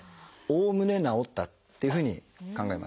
おおむね治ったっていうふうに考えます。